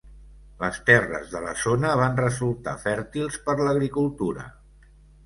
Les terres de la zona van resultar fèrtils per l'agricultura.